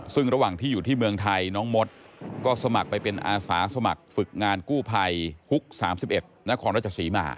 ซึ่งระหว่างที่อยู่ที่เมืองไทยน้องมดก็สมัครไปเป็นอาสาสมัครฝึกงานกู้ภัยฮุก๓๑นครราชศรีมา